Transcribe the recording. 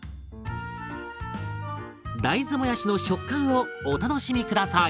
大豆もやしの食感をお楽しみ下さい。